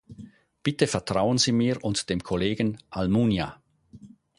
Bitte vertrauen Sie mir und dem Kollegen Almunia.